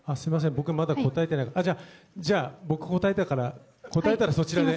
僕まだ答えてない、じゃあ、じゃあ、僕答えたから、答えたらそちらで。